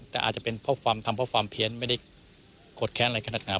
แต่อาจจะเป็นทำเพราะความเพี้ยนไม่ได้กดแขนอะไรขนาดนั้น